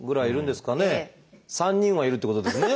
３人はいるっていうことですね。